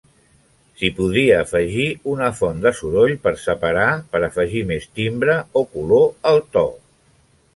S'hi podria afegir una font de soroll per separat per afegir més timbre o color al to.